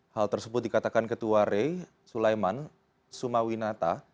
hal tersebut dikatakan ketua rey sulaiman sumawinata